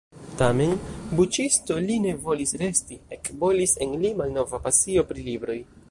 Tamen buĉisto li ne volis resti: ekbolis en li malnova pasio pri libroj.